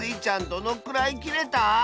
どのくらいきれた？